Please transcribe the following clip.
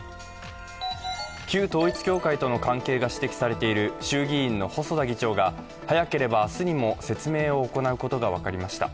旧統一教会との関係が指摘されている衆議院の細田議長が早ければ明日にも説明を行うことが分かりました。